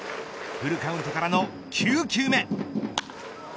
フルカウントからの９球目。